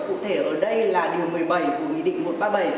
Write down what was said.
cụ thể ở đây là điều một mươi bảy của nghị định một trăm ba mươi bảy